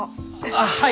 あっはい！